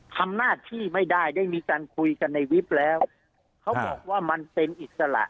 ทำหน้าที่ไม่ได้ได้มีการคุยกันในวิบแล้วเขาบอกว่ามันเป็นอิสระ